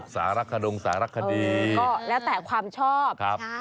สารขนงสารคดีก็แล้วแต่ความชอบ